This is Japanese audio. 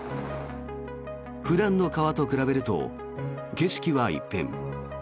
普段の川と比べると景色は一変。